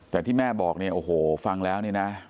แต่ที่แม่บอกฟังแล้วนะ